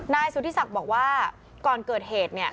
นายสุธิศักดิ์บอกว่าก่อนเกิดเหตุเนี่ย